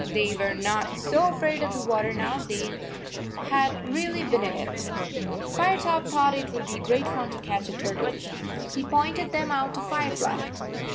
They were not so afraid of the water now they had really been in it. Firetop thought it would be great fun to catch a turtle. He pointed them out to Firefly.